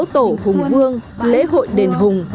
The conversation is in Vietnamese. tổ hùng vương lễ hội đền hùng